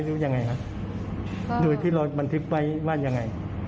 หรือยังไงครับโดยที่เราบันทึกไว้ว่ายังไง